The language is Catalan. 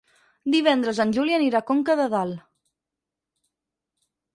Divendres en Juli irà a Conca de Dalt.